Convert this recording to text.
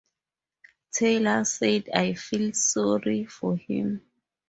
Taylor said I feel really sorry for him.